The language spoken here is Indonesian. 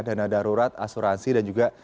dana darurat asuransi dan juga